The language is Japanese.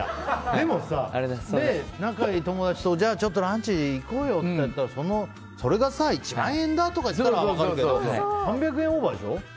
でもさ、仲いい友達とじゃあランチ行こうよってなったらそれが１万円だとかいったら分かるけど３００円オーバーでしょ。